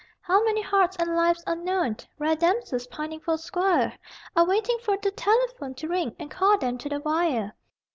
How many hearts and lives unknown, Rare damsels pining for a squire, Are waiting for the telephone To ring, and call them to the wire.